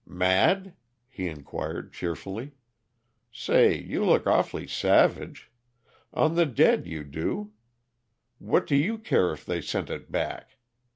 "Mad?" he inquired cheerfully. "Say, you look awfully savage. On the dead, you do. What do you care if they sent it back?